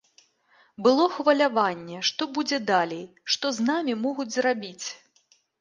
Было хваляванне, што будзе далей, што з намі могуць зрабіць.